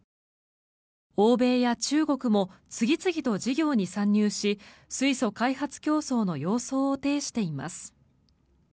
欧米や中国も次々と事業に参入し水素開発競争の様相を呈しています。